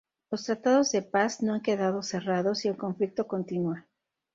Los tratados de paz no han quedado cerrados y el conflicto continúa.